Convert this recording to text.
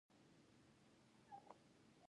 ایا زه باید په دفتر کې کار وکړم؟